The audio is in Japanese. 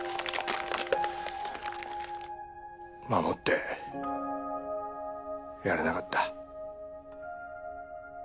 守ってやれなかった。